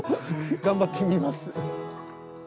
頑張ってみます。